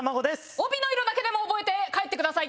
帯の色だけでも覚えてください。